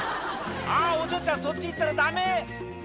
あぁお嬢ちゃんそっち行ったらダメ！